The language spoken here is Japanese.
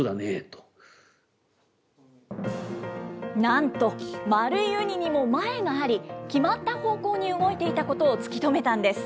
なんと、丸いウニにも前があり、決まった方向に動いていたことを突き止めたんです。